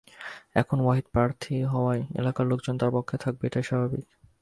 এখন ওয়াহিদ প্রার্থী হওয়ায় এলাকার লোকজন তাঁর পক্ষে থাকবে, এটাই স্বাভাবিক।